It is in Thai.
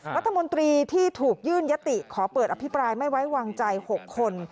รัฐมนตรีที่ถูกยื่นยติขอเปิดอภิปรายไม่ไว้วางใจ๖คน